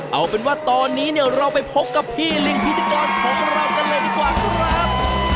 เอาเป็นว่าตอนนี้เนี่ยเราไปพบกับพี่ลิงพิธีกรของเรากันเลยดีกว่าครับ